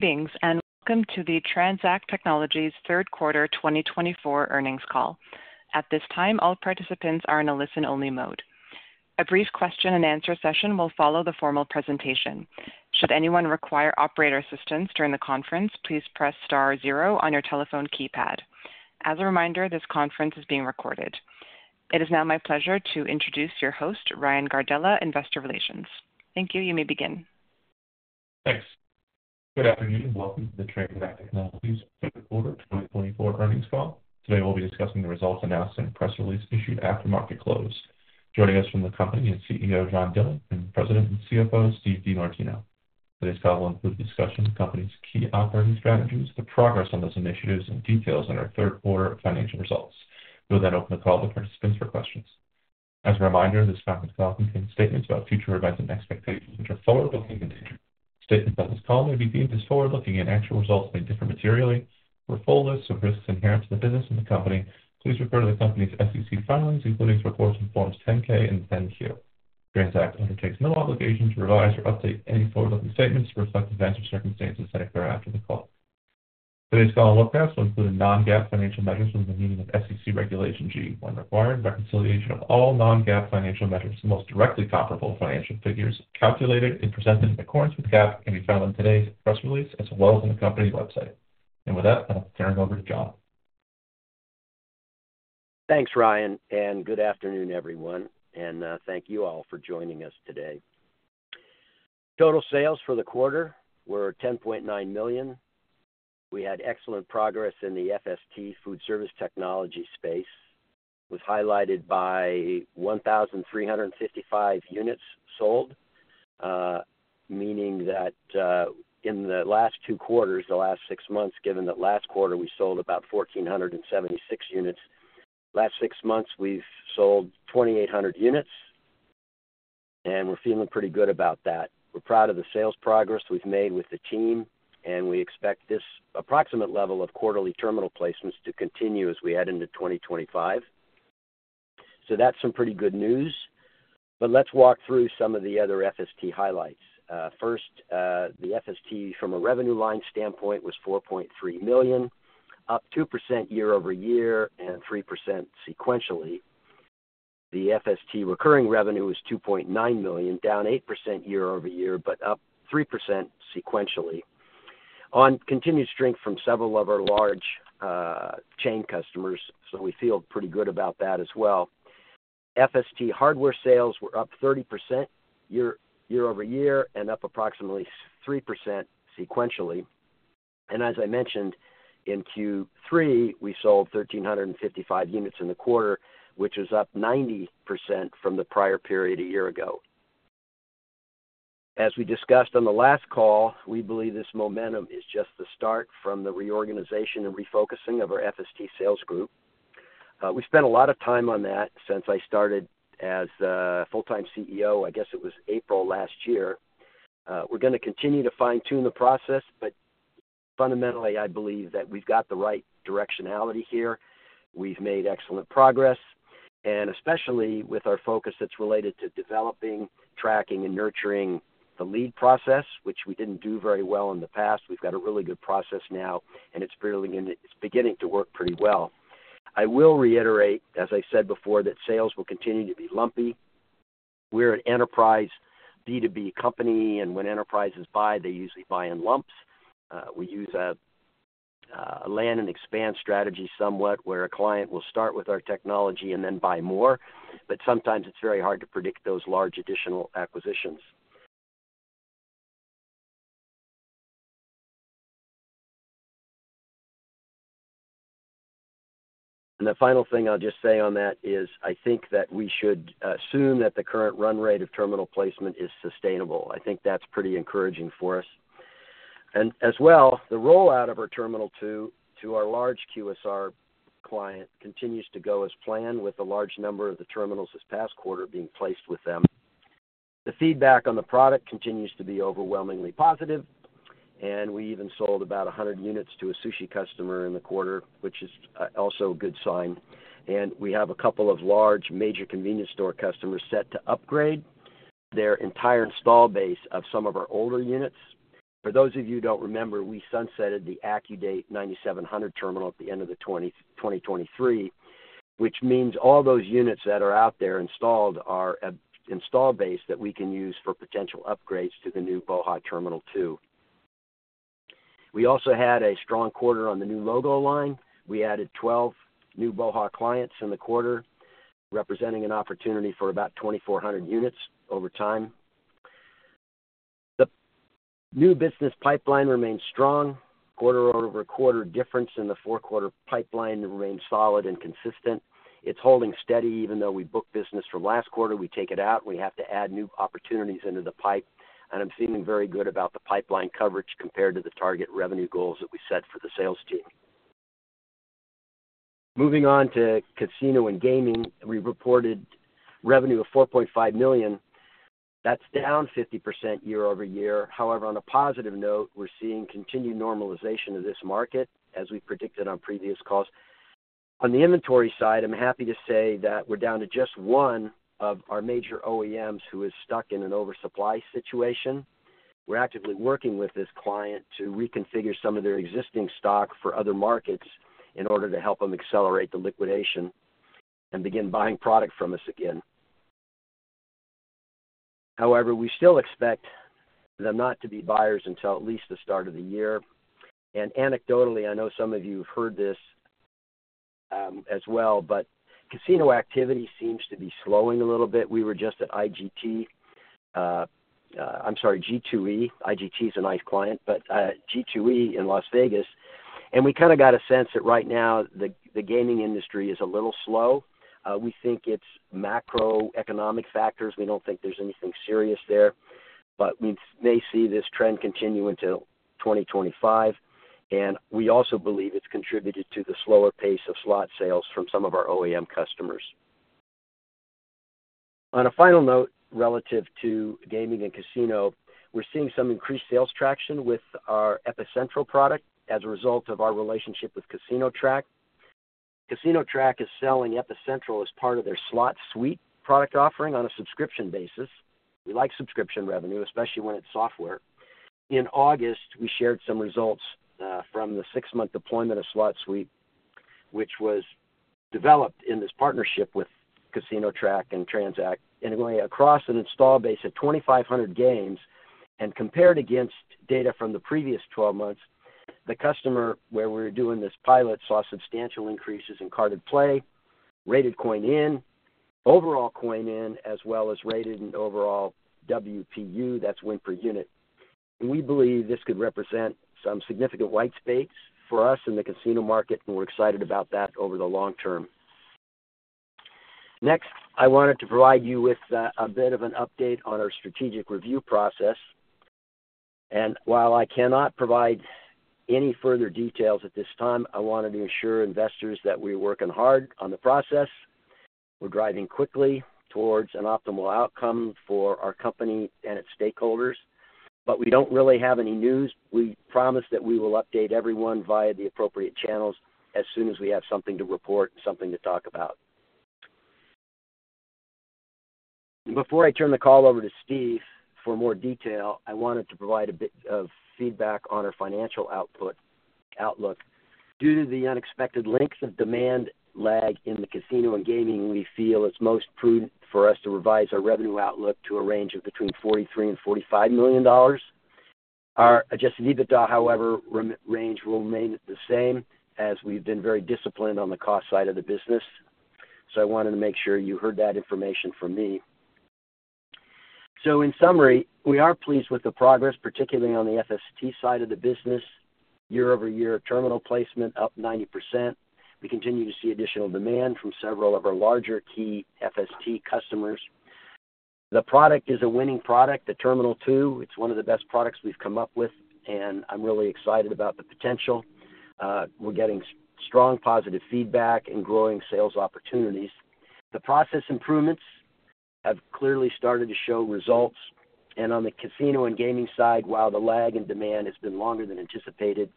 Greetings and welcome to the TransAct Technologies third quarter 2024 earnings call. At this time, all participants are in a listen-only mode. A brief question-and-answer session will follow the formal presentation. Should anyone require operator assistance during the conference, please press star zero on your telephone keypad. As a reminder, this conference is being recorded. It is now my pleasure to introduce your host, Ryan Gardella, Investor Relations. Thank you. You may begin. Thanks. Good afternoon and welcome to the TransAct Technologies third quarter 2024 earnings call. Today, we'll be discussing the results announced in a press release issued after market close. Joining us from the company is CEO John Dillon and President and CFO Steve DeMartino. Today's call will include a discussion of the company's key operating strategies, the progress on those initiatives, and details on our third quarter financial results. We'll then open the call to participants for questions. As a reminder, this conference call contains statements about future events and expectations which are forward-looking statements. Statements on this call may be deemed as forward-looking and actual results may differ materially. For full lists of risks inherent to the business and the company, please refer to the company's SEC filings, including its reports in Forms 10-K and 10-Q. TransAct undertakes no obligation to revise or update any forward-looking statements to reflect events or circumstances after the call. Today's call highlights will include non-GAAP financial measures within the meaning of SEC Regulation G. When required, reconciliation of all non-GAAP financial measures to the most directly comparable financial figures calculated and presented in accordance with GAAP can be found on today's press release as well as on the company website. With that, I'll turn it over to John. Thanks, Ryan, and good afternoon, everyone. And thank you all for joining us today. Total sales for the quarter were $10.9 million. We had excellent progress in the FST food service technology space, which was highlighted by 1,355 units sold, meaning that in the last two quarters, the last six months, given that last quarter we sold about 1,476 units. Last six months, we've sold 2,800 units, and we're feeling pretty good about that. We're proud of the sales progress we've made with the team, and we expect this approximate level of quarterly terminal placements to continue as we head into 2025. So that's some pretty good news. But let's walk through some of the other FST highlights. First, the FST from a revenue line standpoint was $4.3 million, up 2% year over year and 3% sequentially. The FST recurring revenue was $2.9 million, down 8% year over year, but up 3% sequentially, on continued strength from several of our large chain customers. So we feel pretty good about that as well. FST hardware sales were up 30% year over year and up approximately 3% sequentially. And as I mentioned, in Q3, we sold 1,355 units in the quarter, which is up 90% from the prior period a year ago. As we discussed on the last call, we believe this momentum is just the start from the reorganization and refocusing of our FST sales group. We spent a lot of time on that since I started as full-time CEO, I guess it was April last year. We're going to continue to fine-tune the process, but fundamentally, I believe that we've got the right directionality here. We've made excellent progress, and especially with our focus that's related to developing, tracking, and nurturing the lead process, which we didn't do very well in the past. We've got a really good process now, and it's beginning to work pretty well. I will reiterate, as I said before, that sales will continue to be lumpy. We're an enterprise B2B company, and when enterprises buy, they usually buy in lumps. We use a land-and-expand strategy somewhat where a client will start with our technology and then buy more, but sometimes it's very hard to predict those large additional acquisitions. And the final thing I'll just say on that is I think that we should assume that the current run rate of terminal placement is sustainable. I think that's pretty encouraging for us. As well, the rollout of our Terminal 2 to our large QSR client continues to go as planned, with a large number of the terminals this past quarter being placed with them. The feedback on the product continues to be overwhelmingly positive, and we even sold about 100 units to a sushi customer in the quarter, which is also a good sign. We have a couple of large major convenience store customers set to upgrade their entire install base of some of our older units. For those of you who don't remember, we sunsetted the AccuDate 9700 terminal at the end of 2023, which means all those units that are out there installed are installed base that we can use for potential upgrades to the new BOHA! Terminal 2. We also had a strong quarter on the new logo line. We added 12 new BOHA clients in the quarter, representing an opportunity for about 2,400 units over time. The new business pipeline remains strong. Quarter-over-quarter difference in the four-quarter pipeline remains solid and consistent. It's holding steady. Even though we booked business for last quarter, we take it out. We have to add new opportunities into the pipe, and I'm feeling very good about the pipeline coverage compared to the target revenue goals that we set for the sales team. Moving on to casino and gaming, we reported revenue of $4.5 million. That's down 50% year over year. However, on a positive note, we're seeing continued normalization of this market, as we predicted on previous calls. On the inventory side, I'm happy to say that we're down to just one of our major OEMs who is stuck in an oversupply situation. We're actively working with this client to reconfigure some of their existing stock for other markets in order to help them accelerate the liquidation and begin buying product from us again. However, we still expect them not to be buyers until at least the start of the year. Anecdotally, I know some of you have heard this as well, but casino activity seems to be slowing a little bit. We were just at IGT. I'm sorry, G2E. IGT is a nice client, but G2E in Las Vegas. We kind of got a sense that right now the gaming industry is a little slow. We think it's macroeconomic factors. We don't think there's anything serious there, but we may see this trend continue into 2025. We also believe it's contributed to the slower pace of slot sales from some of our OEM customers. On a final note relative to gaming and casino, we're seeing some increased sales traction with our Epicentral product as a result of our relationship with CasinoTrac. CasinoTrac is selling Epicentral as part of their SlotSUITE product offering on a subscription basis. We like subscription revenue, especially when it's software. In August, we shared some results from the six-month deployment of SlotSUITE, which was developed in this partnership with CasinoTrac and TransAct. And we went across an install base of 2,500 games and compared against data from the previous 12 months. The customer where we were doing this pilot saw substantial increases in carded play, rated coin-in, overall coin-in, as well as rated and overall WPU. That's win per unit. And we believe this could represent some significant white space for us in the casino market, and we're excited about that over the long term. Next, I wanted to provide you with a bit of an update on our strategic review process and while I cannot provide any further details at this time, I wanted to assure investors that we're working hard on the process. We're driving quickly towards an optimal outcome for our company and its stakeholders, but we don't really have any news. We promise that we will update everyone via the appropriate channels as soon as we have something to report, something to talk about. Before I turn the call over to Steve for more detail, I wanted to provide a bit of feedback on our financial outlook. Due to the unexpected length of demand lag in the casino and gaming, we feel it's most prudent for us to revise our revenue outlook to a range of between $43 million and $45 million. Our Adjusted EBITDA range, however, will remain the same, as we've been very disciplined on the cost side of the business. So I wanted to make sure you heard that information from me. So in summary, we are pleased with the progress, particularly on the FST side of the business. Year-over-year terminal placement up 90%. We continue to see additional demand from several of our larger key FST customers. The product is a winning product, the Terminal 2. It's one of the best products we've come up with, and I'm really excited about the potential. We're getting strong positive feedback and growing sales opportunities. The process improvements have clearly started to show results. And on the casino and gaming side, while the lag in demand has been longer than anticipated,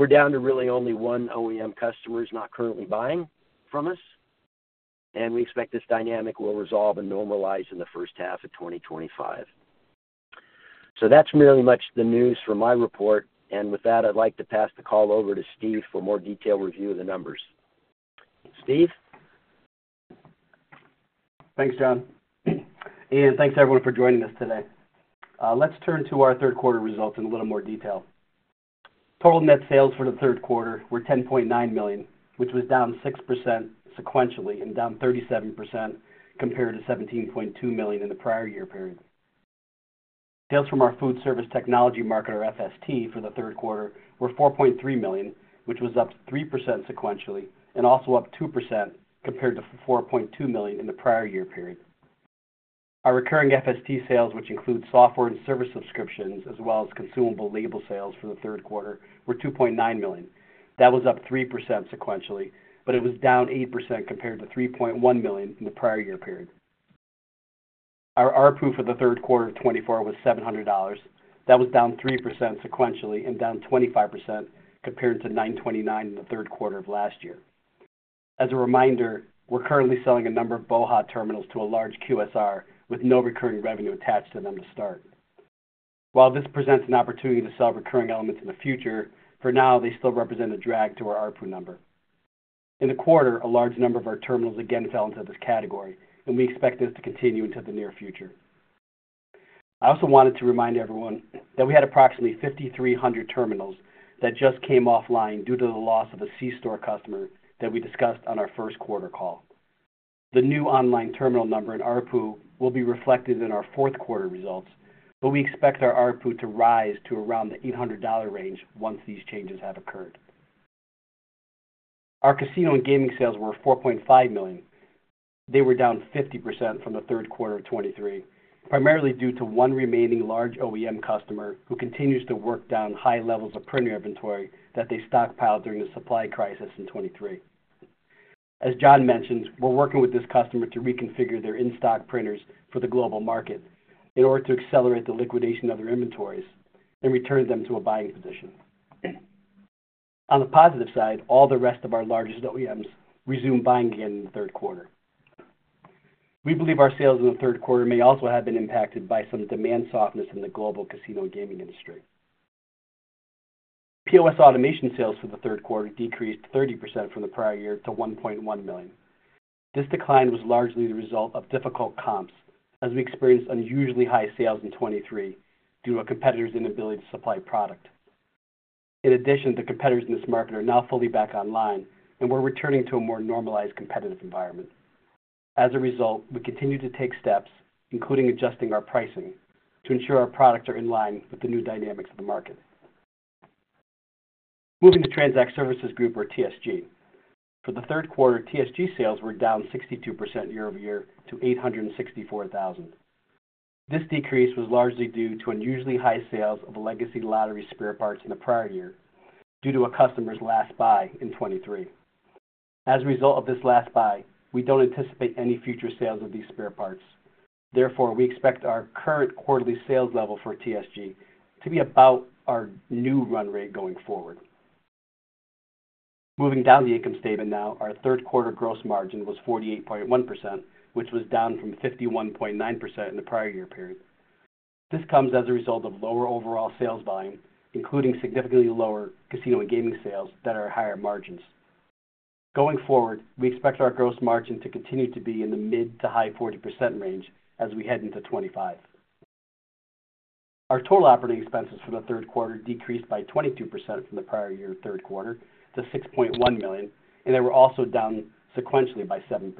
we're down to really only one OEM customer who's not currently buying from us. And we expect this dynamic will resolve and normalize in the first half of 2025. So that's really much the news from my report. And with that, I'd like to pass the call over to Steve for more detailed review of the numbers. Steve? Thanks, John. And thanks, everyone, for joining us today. Let's turn to our third quarter results in a little more detail. Total net sales for the third quarter were $10.9 million, which was down 6% sequentially and down 37% compared to $17.2 million in the prior year period. Sales from our food service technology market, our FST, for the third quarter were $4.3 million, which was up 3% sequentially and also up 2% compared to $4.2 million in the prior year period. Our recurring FST sales, which include software and service subscriptions as well as consumable label sales for the third quarter, were $2.9 million. That was up 3% sequentially, but it was down 8% compared to $3.1 million in the prior year period. Our RPU for the third quarter of 2024 was $700. That was down 3% sequentially and down 25% compared to 929 in the third quarter of last year. As a reminder, we're currently selling a number of BOHA terminals to a large QSR with no recurring revenue attached to them to start. While this presents an opportunity to sell recurring elements in the future, for now, they still represent a drag to our RPU number. In the quarter, a large number of our terminals again fell into this category, and we expect this to continue into the near future. I also wanted to remind everyone that we had approximately 5,300 terminals that just came offline due to the loss of a C-store customer that we discussed on our first quarter call. The new online terminal number and RPU will be reflected in our fourth quarter results, but we expect our RPU to rise to around the $800 range once these changes have occurred. Our casino and gaming sales were $4.5 million. They were down 50% from the third quarter of 2023, primarily due to one remaining large OEM customer who continues to work down high levels of printer inventory that they stockpiled during the supply crisis in 2023. As John mentioned, we're working with this customer to reconfigure their in-stock printers for the global market in order to accelerate the liquidation of their inventories and return them to a buying position. On the positive side, all the rest of our largest OEMs resumed buying again in the third quarter. We believe our sales in the third quarter may also have been impacted by some demand softness in the global casino gaming industry. POS Automation sales for the third quarter decreased 30% from the prior year to $1.1 million. This decline was largely the result of difficult comps, as we experienced unusually high sales in 2023 due to a competitor's inability to supply product. In addition, the competitors in this market are now fully back online and we're returning to a more normalized competitive environment. As a result, we continue to take steps, including adjusting our pricing, to ensure our products are in line with the new dynamics of the market. Moving to TransAct Services Group or TSG. For the third quarter, TSG sales were down 62% year-over-year to $864,000. This decrease was largely due to unusually high sales of legacy lottery spare parts in the prior year due to a customer's last buy in 2023. As a result of this last buy, we don't anticipate any future sales of these spare parts. Therefore, we expect our current quarterly sales level for TSG to be about our new run rate going forward. Moving down the income statement now, our third quarter gross margin was 48.1%, which was down from 51.9% in the prior year period. This comes as a result of lower overall sales volume, including significantly lower casino and gaming sales that are higher margins. Going forward, we expect our gross margin to continue to be in the mid- to high-40% range as we head into 2025. Our total operating expenses for the third quarter decreased by 22% from the prior year third quarter to $6.1 million, and they were also down sequentially by 7%.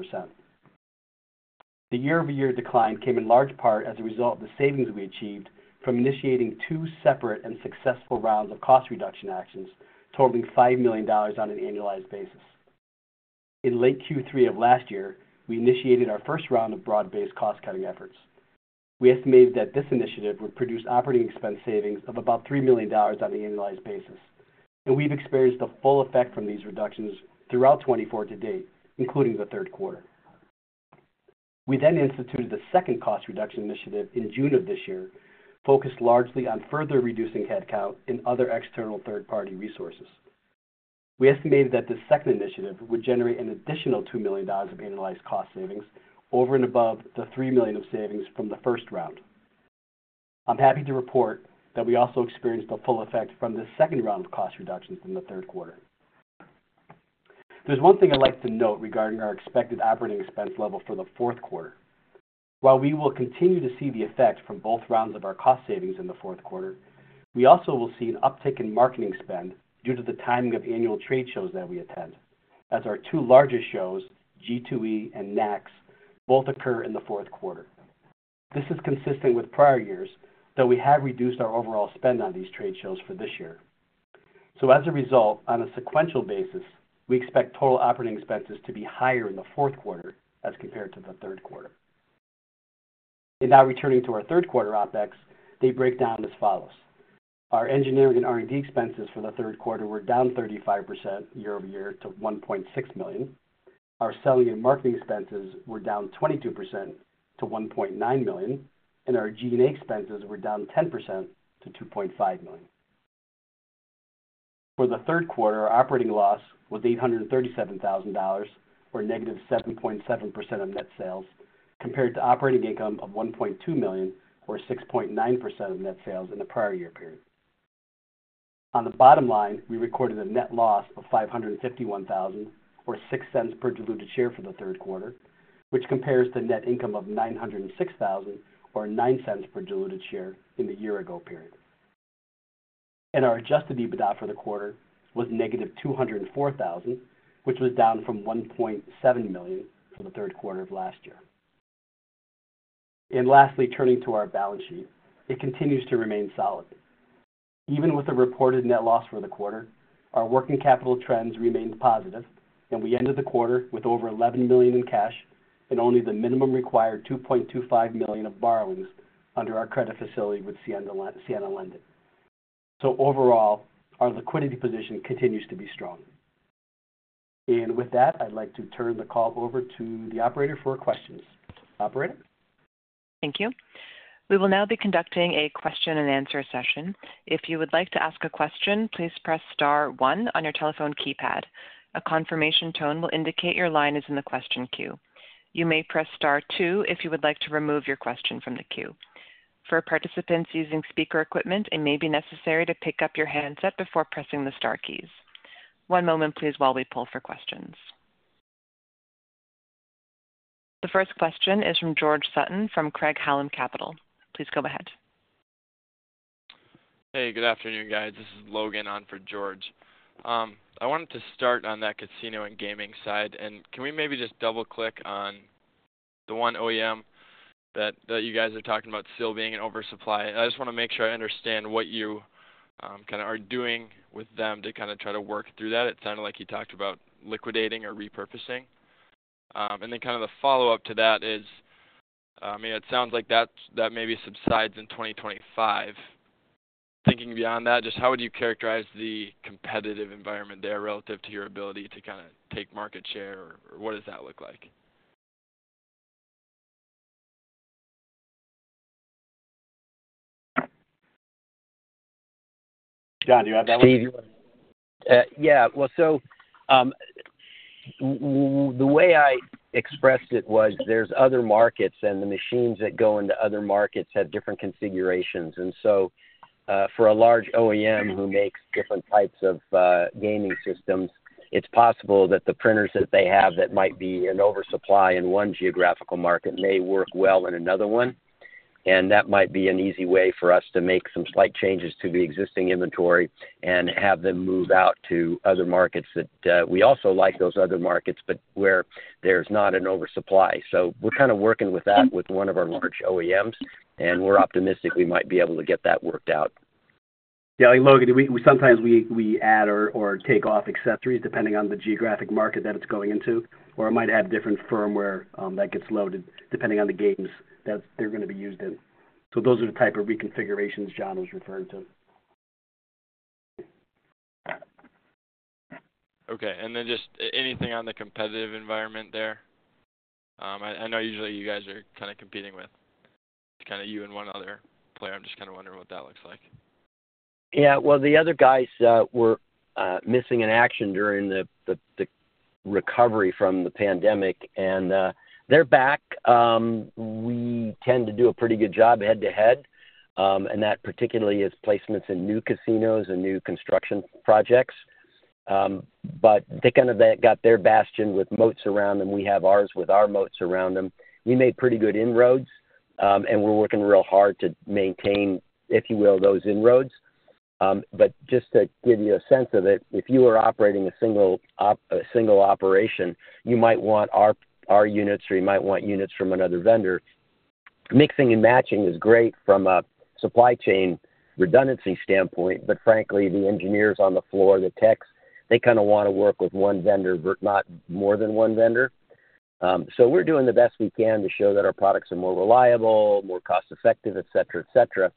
The year-over-year decline came in large part as a result of the savings we achieved from initiating two separate and successful rounds of cost reduction actions totaling $5 million on an annualized basis. In late Q3 of last year, we initiated our first round of broad-based cost-cutting efforts. We estimated that this initiative would produce operating expense savings of about $3 million on an annualized basis, and we've experienced the full effect from these reductions throughout 2024 to date, including the third quarter. We then instituted the second cost reduction initiative in June of this year, focused largely on further reducing headcount and other external third-party resources. We estimated that this second initiative would generate an additional $2 million of annualized cost savings over and above the $3 million of savings from the first round. I'm happy to report that we also experienced the full effect from the second round of cost reductions in the third quarter. There's one thing I'd like to note regarding our expected operating expense level for the fourth quarter. While we will continue to see the effect from both rounds of our cost savings in the fourth quarter, we also will see an uptick in marketing spend due to the timing of annual trade shows that we attend, as our two largest shows, G2E and NACS, both occur in the fourth quarter. This is consistent with prior years, though we have reduced our overall spend on these trade shows for this year. So as a result, on a sequential basis, we expect total operating expenses to be higher in the fourth quarter as compared to the third quarter. And now returning to our third quarter OpEx, they break down as follows. Our engineering and R&D expenses for the third quarter were down 35% year-over-year to $1.6 million. Our selling and marketing expenses were down 22% to $1.9 million, and our G&A expenses were down 10% to $2.5 million. For the third quarter, our operating loss was $837,000 or negative 7.7% of net sales, compared to operating income of $1.2 million or 6.9% of net sales in the prior year period. On the bottom line, we recorded a net loss of $551,000 or $0.06 per diluted share for the third quarter, which compares to net income of $906,000 or $0.09 per diluted share in the year-ago period. And our Adjusted EBITDA for the quarter was negative $204,000, which was down from $1.7 million for the third quarter of last year. And lastly, turning to our balance sheet, it continues to remain solid. Even with the reported net loss for the quarter, our working capital trends remained positive, and we ended the quarter with over $11 million in cash and only the minimum required $2.25 million of borrowings under our credit facility with Siena Lending. So overall, our liquidity position continues to be strong. And with that, I'd like to turn the call over to the operator for questions. Operator? Thank you. We will now be conducting a question-and-answer session. If you would like to ask a question, please press star 1 on your telephone keypad. A confirmation tone will indicate your line is in the question queue. You may press star 2 if you would like to remove your question from the queue. For participants using speaker equipment, it may be necessary to pick up your handset before pressing the star keys. One moment, please, while we pull for questions. The first question is from George Sutton from Craig-Hallum Capital. Please go ahead. Hey, good afternoon, guys. This is Logan on for George. I wanted to start on that casino and gaming side, and can we maybe just double-click on the one OEM that you guys are talking about still being in oversupply? I just want to make sure I understand what you kind of are doing with them to kind of try to work through that. It sounded like you talked about liquidating or repurposing. And then kind of the follow-up to that is, I mean, it sounds like that maybe subsides in 2025. Thinking beyond that, just how would you characterize the competitive environment there relative to your ability to kind of take market share, or what does that look like? John, do you have that one? Steve, you want to? Yeah. Well, so the way I expressed it was there's other markets, and the machines that go into other markets have different configurations, and so for a large OEM who makes different types of gaming systems, it's possible that the printers that they have that might be in oversupply in one geographical market may work well in another one, and that might be an easy way for us to make some slight changes to the existing inventory and have them move out to other markets that we also like those other markets, but where there's not an oversupply, so we're kind of working with that with one of our large OEMs, and we're optimistic we might be able to get that worked out. Yeah. And Logan, sometimes we add or take off accessories depending on the geographic market that it's going into, or it might have different firmware that gets loaded depending on the games that they're going to be used in. So those are the type of reconfigurations John was referring to. Okay. And then just anything on the competitive environment there? I know usually you guys are kind of competing with kind of you and one other player. I'm just kind of wondering what that looks like. Yeah. Well, the other guys were missing in action during the recovery from the pandemic, and they're back. We tend to do a pretty good job head-to-head, and that particularly is placements in new casinos and new construction projects. But they kind of got their bastion with moats around them. We have ours with our moats around them. We made pretty good inroads, and we're working real hard to maintain, if you will, those inroads. But just to give you a sense of it, if you are operating a single operation, you might want our units, or you might want units from another vendor. Mixing and matching is great from a supply chain redundancy standpoint, but frankly, the engineers on the floor, the techs, they kind of want to work with one vendor, not more than one vendor. So we're doing the best we can to show that our products are more reliable, more cost-effective, etc., etc.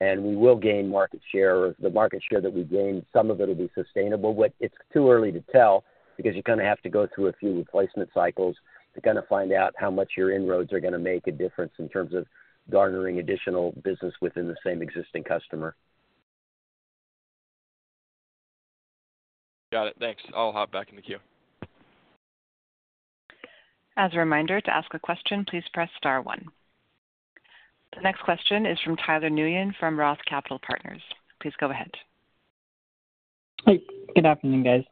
And we will gain market share. The market share that we gain, some of it will be sustainable, but it's too early to tell because you kind of have to go through a few replacement cycles to kind of find out how much your inroads are going to make a difference in terms of garnering additional business within the same existing customer. Got it. Thanks. I'll hop back in the queue. As a reminder, to ask a question, please press star 1. The next question is from Tyler Nguyen from Roth Capital Partners. Please go ahead. Hey. Good afternoon, guys.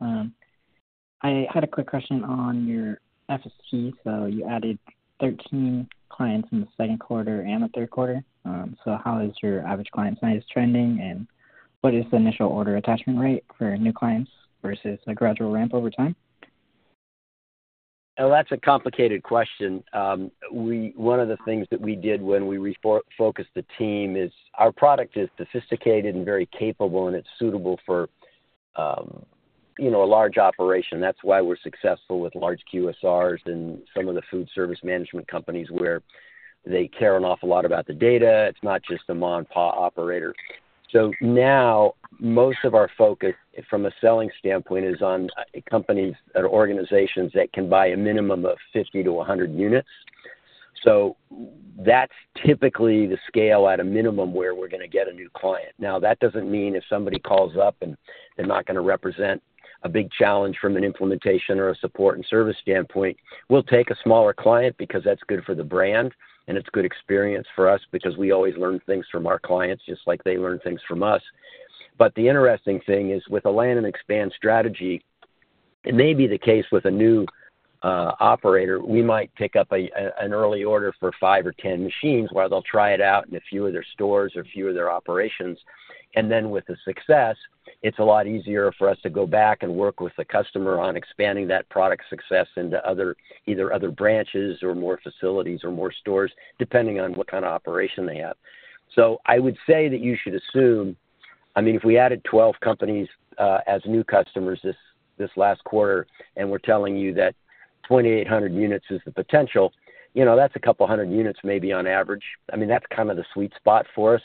I had a quick question on your FST. So you added 13 clients in the second quarter and the third quarter. So how is your average client size trending, and what is the initial order attachment rate for new clients versus a gradual ramp over time? Oh, that's a complicated question. One of the things that we did when we refocused the team is our product is sophisticated and very capable, and it's suitable for a large operation. That's why we're successful with large QSRs and some of the food service management companies where they care an awful lot about the data. It's not just a mom-and-pop operator. So now most of our focus from a selling standpoint is on companies or organizations that can buy a minimum of 50-100 units. So that's typically the scale at a minimum where we're going to get a new client. Now, that doesn't mean if somebody calls up and they're not going to represent a big challenge from an implementation or a support and service standpoint, we'll take a smaller client because that's good for the brand, and it's good experience for us because we always learn things from our clients just like they learn things from us. But the interesting thing is with a land and expand strategy, it may be the case with a new operator. We might pick up an early order for five or 10 machines while they'll try it out in a few of their stores or a few of their operations. And then with the success, it's a lot easier for us to go back and work with the customer on expanding that product success into either other branches or more facilities or more stores, depending on what kind of operation they have. So I would say that you should assume, I mean, if we added 12 companies as new customers this last quarter and we're telling you that 2,800 units is the potential, that's a couple hundred units maybe on average. I mean, that's kind of the sweet spot for us.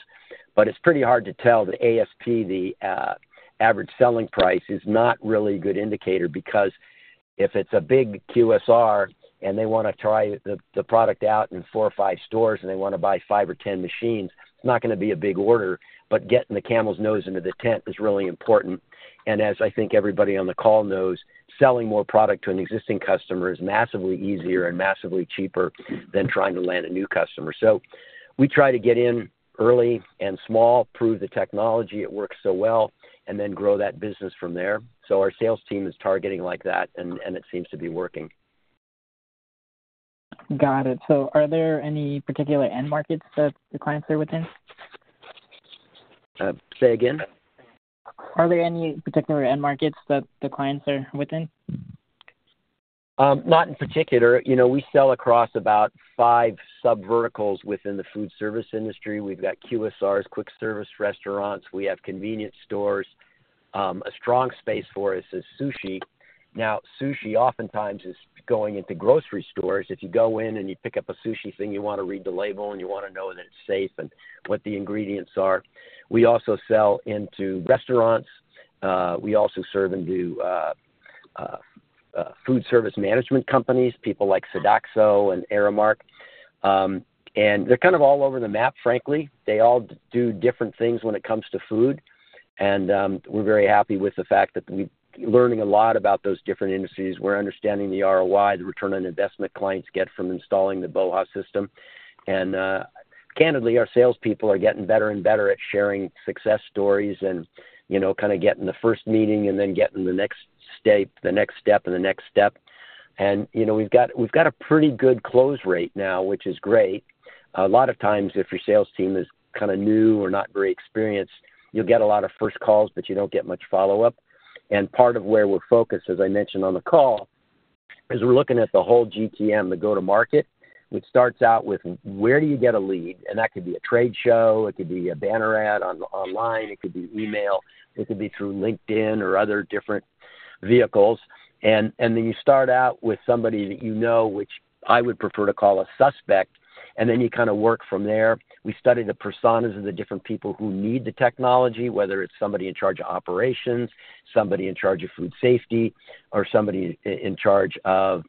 But it's pretty hard to tell that ASP, the average selling price, is not really a good indicator because if it's a big QSR and they want to try the product out in four or five stores and they want to buy five or 10 machines, it's not going to be a big order. But getting the camel's nose into the tent is really important. And as I think everybody on the call knows, selling more product to an existing customer is massively easier and massively cheaper than trying to land a new customer. So we try to get in early and small, prove the technology, it works so well, and then grow that business from there. So our sales team is targeting like that, and it seems to be working. Got it. So are there any particular end markets that the clients are within? Say again? Are there any particular end markets that the clients are within? Not in particular. We sell across about five sub-verticals within the food service industry. We've got QSRs, quick service restaurants. We have convenience stores. A strong space for us is sushi. Now, sushi oftentimes is going into grocery stores. If you go in and you pick up a sushi thing, you want to read the label, and you want to know that it's safe and what the ingredients are. We also sell into restaurants. We also serve into food service management companies, people like Sodexo and Aramark. And they're kind of all over the map, frankly. They all do different things when it comes to food. And we're very happy with the fact that we're learning a lot about those different industries. We're understanding the ROI, the return on investment clients get from installing the BOHA system. Candidly, our salespeople are getting better and better at sharing success stories and kind of getting the first meeting and then getting the next step and the next step. We've got a pretty good close rate now, which is great. A lot of times, if your sales team is kind of new or not very experienced, you'll get a lot of first calls, but you don't get much follow-up. Part of where we're focused, as I mentioned on the call, is we're looking at the whole GTM, the go-to-market, which starts out with where do you get a lead? That could be a trade show. It could be a banner ad online. It could be email. It could be through LinkedIn or other different vehicles. Then you start out with somebody that you know, which I would prefer to call a suspect, and then you kind of work from there. We study the personas of the different people who need the technology, whether it's somebody in charge of operations, somebody in charge of food safety, or somebody in charge of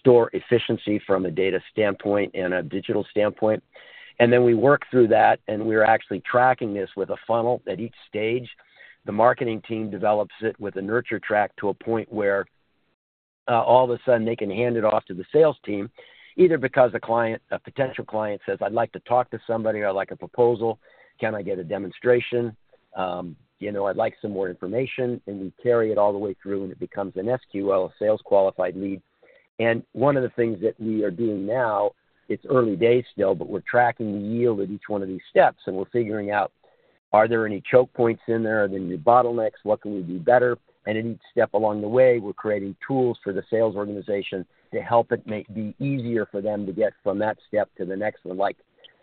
store efficiency from a data standpoint and a digital standpoint. Then we work through that, and we're actually tracking this with a funnel at each stage. The marketing team develops it with a nurture track to a point where all of a sudden they can hand it off to the sales team, either because a potential client says, "I'd like to talk to somebody," or, "I'd like a proposal. Can I get a demonstration? I'd like some more information," and we carry it all the way through, and it becomes an SQL, a sales qualified lead. One of the things that we are doing now, it's early days still, but we're tracking the yield at each one of these steps, and we're figuring out, are there any choke points in there? Are there any bottlenecks? What can we do better? At each step along the way, we're creating tools for the sales organization to help it be easier for them to get from that step to the next, like,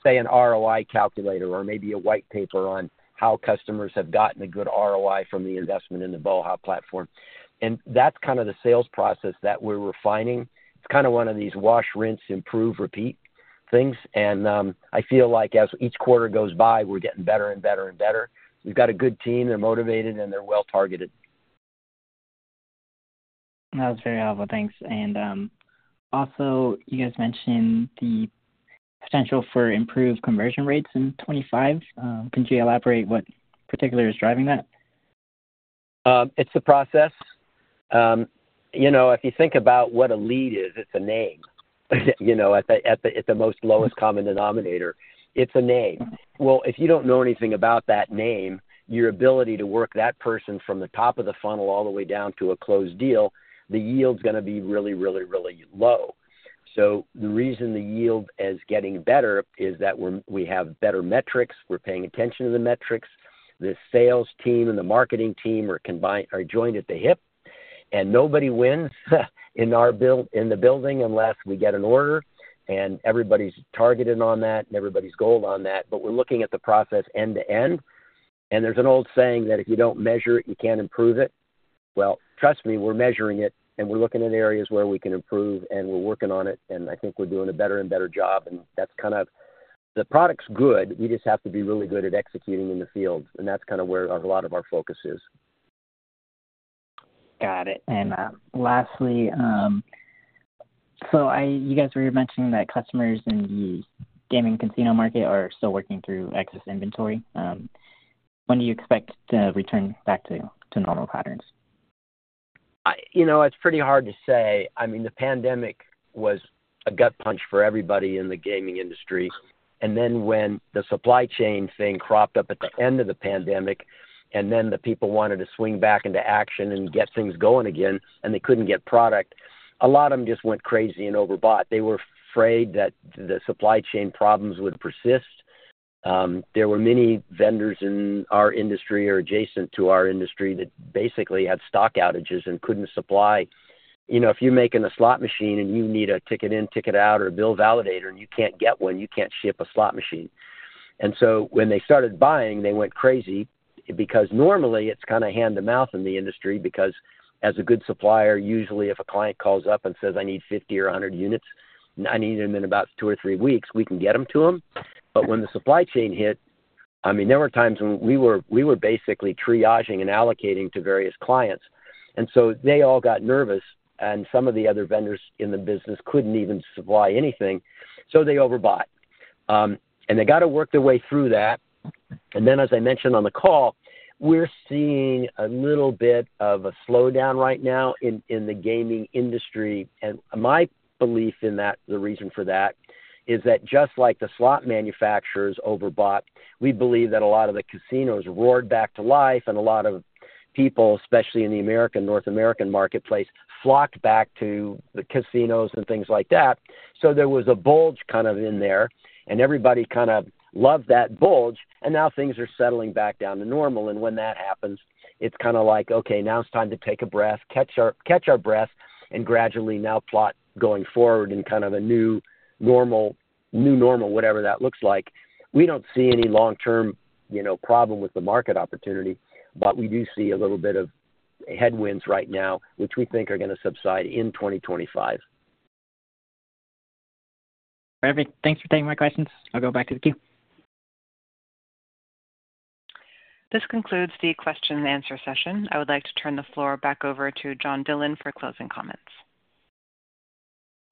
say, an ROI calculator or maybe a white paper on how customers have gotten a good ROI from the investment in the BOHA platform. That's kind of the sales process that we're refining. It's kind of one of these wash, rinse, improve, repeat things. I feel like as each quarter goes by, we're getting better and better and better. We've got a good team. They're motivated, and they're well-targeted. That was very helpful. Thanks. And also, you guys mentioned the potential for improved conversion rates in 2025. Could you elaborate what particularly is driving that? It's the process. If you think about what a lead is, it's a name. At the most lowest common denominator, it's a name. Well, if you don't know anything about that name, your ability to work that person from the top of the funnel all the way down to a closed deal, the yield's going to be really, really, really low. So the reason the yield is getting better is that we have better metrics. We're paying attention to the metrics. The sales team and the marketing team are joined at the hip, and nobody wins in the building unless we get an order. And everybody's targeted on that, and everybody's goaled on that. But we're looking at the process end-to-end. And there's an old saying that if you don't measure it, you can't improve it. Trust me, we're measuring it, and we're looking at areas where we can improve, and we're working on it. I think we're doing a better and better job. That's kind of the product's good. We just have to be really good at executing in the field. That's kind of where a lot of our focus is. Got it. And lastly, so you guys were mentioning that customers in the gaming casino market are still working through excess inventory. When do you expect to return back to normal patterns? It's pretty hard to say. I mean, the pandemic was a gut punch for everybody in the gaming industry. And then when the supply chain thing cropped up at the end of the pandemic, and then the people wanted to swing back into action and get things going again, and they couldn't get product, a lot of them just went crazy and overbought. They were afraid that the supply chain problems would persist. There were many vendors in our industry or adjacent to our industry that basically had stock outages and couldn't supply. If you're making a slot machine and you need a ticket-in, ticket-out, or a bill validator, and you can't get one, you can't ship a slot machine. And so when they started buying, they went crazy because normally it's kind of hand-to-mouth in the industry because as a good supplier, usually if a client calls up and says, "I need 50 or 100 units. I need them in about two or three weeks. We can get them to them." But when the supply chain hit, I mean, there were times when we were basically triaging and allocating to various clients. And so they all got nervous, and some of the other vendors in the business couldn't even supply anything. So they overbought. And they got to work their way through that. And then, as I mentioned on the call, we're seeing a little bit of a slowdown right now in the gaming industry. My belief in that, the reason for that, is that just like the slot manufacturers overbought, we believe that a lot of the casinos roared back to life, and a lot of people, especially in the American North American marketplace, flocked back to the casinos and things like that. There was a bulge kind of in there, and everybody kind of loved that bulge. Now things are settling back down to normal. When that happens, it's kind of like, "Okay, now it's time to take a breath, catch our breath, and gradually now plot going forward in kind of a new normal, whatever that looks like." We don't see any long-term problem with the market opportunity, but we do see a little bit of headwinds right now, which we think are going to subside in 2025. Perfect. Thanks for taking my questions. I'll go back to the queue. This concludes the question-and-answer session. I would like to turn the floor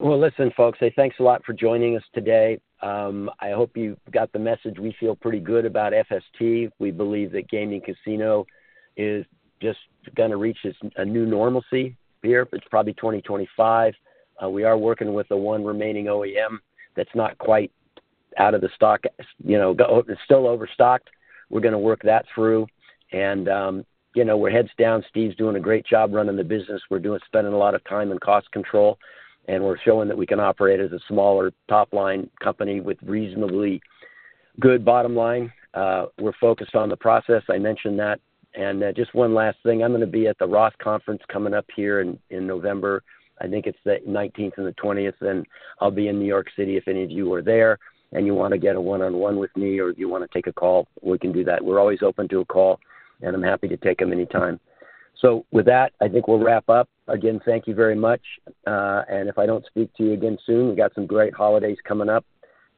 back over to John Dillon for closing comments. Listen, folks, thanks a lot for joining us today. I hope you got the message. We feel pretty good about FST. We believe that gaming casino is just going to reach a new normalcy here. It's probably 2025. We are working with the one remaining OEM that's not quite out of stock, still overstocked. We're going to work that through. And we're heads down. Steve's doing a great job running the business. We're spending a lot of time in cost control, and we're showing that we can operate as a smaller top-line company with reasonably good bottom line. We're focused on the process. I mentioned that. And just one last thing. I'm going to be at the Roth conference coming up here in November. I think it's the 19th and the 20th. And I'll be in New York City if any of you are there, and you want to get a one-on-one with me or if you want to take a call, we can do that. We're always open to a call, and I'm happy to take them any time. So with that, I think we'll wrap up. Again, thank you very much. And if I don't speak to you again soon, we've got some great holidays coming up,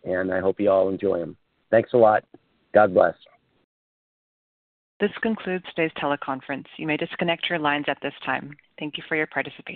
and I hope you all enjoy them. Thanks a lot. God bless. This concludes today's teleconference. You may disconnect your lines at this time. Thank you for your participation.